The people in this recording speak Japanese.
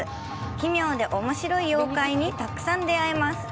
奇妙でおもしろい妖怪にたくさん出会えます。